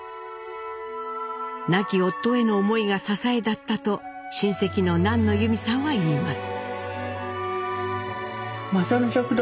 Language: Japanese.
亡き夫への思いが支えだったと親戚の南野由美さんは言います。